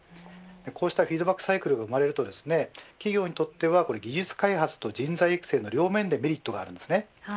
フィードバックサイクルが生まれると企業にとっては技術開発と人材育成の両面のメリットがあります。